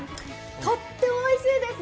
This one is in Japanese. とってもおいしいです。